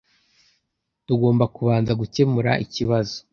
Tugomba kubanza gukemura ikibazo.